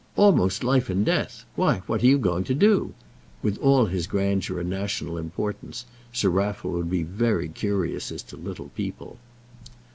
"Almost life and death. Why, what are you going to do?" With all his grandeur and national importance, Sir Raffle would be very curious as to little people.